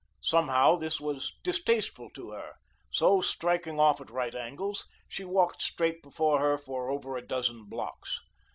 Somehow, this was distasteful to her; so, striking off at right angles, she walked straight before her for over a dozen blocks.